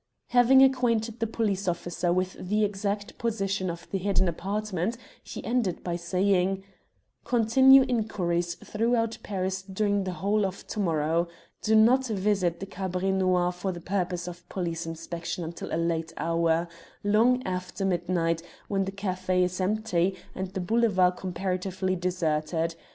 Having acquainted the police officer with the exact position of the hidden apartment, he ended by saying "Continue inquiries throughout Paris during the whole of to morrow. Do not visit the Cabaret Noir for the purpose of police inspection until a late hour long after midnight when the café is empty and the Boulevard comparatively deserted.